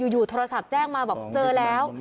อยู่โทรศัพท์แจ้งมาบอกเจอแล้ว